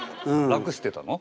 楽してたの？